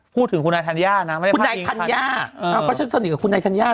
พูดถึงคุณนายธัญญานะไม่ได้คุณนายธัญญาก็ฉันสนิทกับคุณนายธัญญา